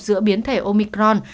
giữa biến thể omicron